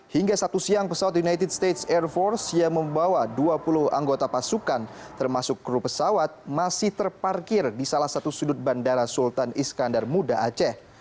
hingga satu siang pesawat united states air force yang membawa dua puluh anggota pasukan termasuk kru pesawat masih terparkir di salah satu sudut bandara sultan iskandar muda aceh